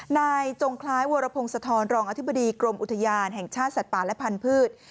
จงคล้ายวรพงศธรรองอธิบดีกรมอุทยานแห่งชาติสัตว์ป่าและพันธุ์